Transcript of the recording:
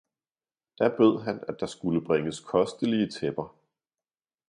Da bød han at der skulle bringes kostelige tæpper.